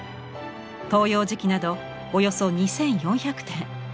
東洋磁器などおよそ２，４００点。